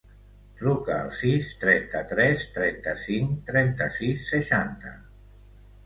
Truca al sis, trenta-tres, trenta-cinc, trenta-sis, seixanta.